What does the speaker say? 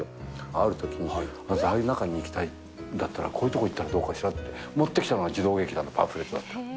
あるときにあなたテレビの中に行きたいならこういう所行ったらどうかしらって、持ってきたのが児童劇団のパンフレットだった。